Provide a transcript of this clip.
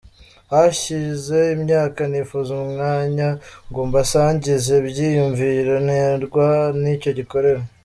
Hashize imyaka nifuza umwanya ngo mbasangize ibyiyumviro nterwa n’icyo gikomere.